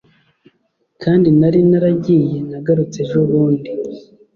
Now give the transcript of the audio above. Kandi nari naragiye nagarutse ejo bundi